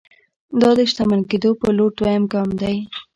دا د شتمن کېدو پر لور دويم ګام دی.